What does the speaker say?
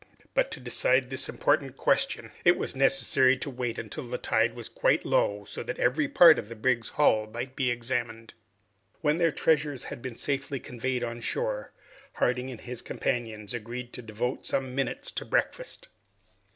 But, to decide this important question, it was necessary to wait until the tide was quite low, so that every part of the brig's hull might be examined. When their treasures had been safely conveyed on shore, Harding and his companions agreed to devote some minutes to breakfast.